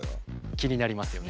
気になりますよね。